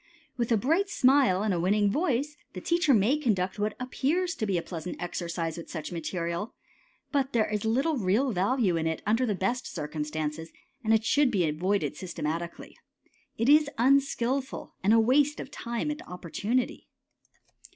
With a bright smile and a winning voice, the teacher may conduct what appears to be a pleasant exercise with such material, but there is little real value in it under the best circumstances and it should be avoided systematically. It is unskilful, and a waste of time and opportunity.